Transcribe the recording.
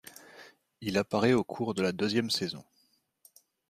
Il apparaît au cours de la deuxième saison.